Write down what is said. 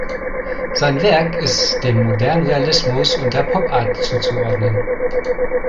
Sein Werk ist dem modernen Realismus und der Pop Art zuzuordnen.